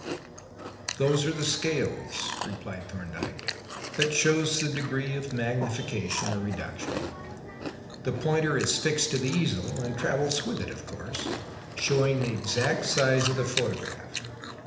"Those are the scales," replied Thorndyke, "that shows the degree of magnification or reduction. The pointer is fixed to the easel and travels with it, of course, showing the exact size of the photograph.